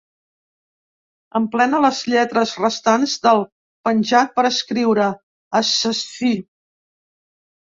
Emplena les lletres restants del penjat per escriure "assassí".